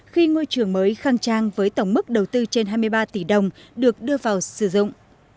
khi ngôi trường mới khang trang với tổng mức đầu tư trên hai mươi ba tỷ đồng được đưa vào sử dụng